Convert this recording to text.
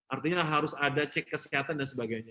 artinya harus ada cek kesehatan dan sebagainya